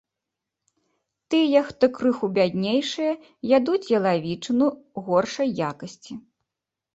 Тыя, хто крыху бяднейшыя, ядуць ялавічыну горшай якасці.